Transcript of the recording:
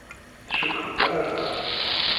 Tcukkemt ad nerbeḥ?